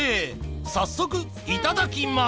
早速いただきます